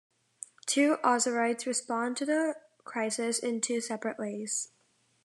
Two Ozurites respond to the crisis in two separate ways.